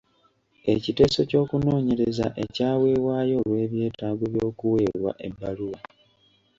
Ekiteeso ky'okunoonyereza ekyaweebwayo olw'ebyetaago by'okuweebwa ebbaluwa.